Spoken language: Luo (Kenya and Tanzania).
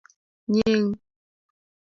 Nying'.